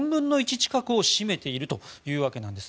４分の１近くを占めているというわけなんです。